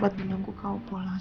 buat menunggu kau pulang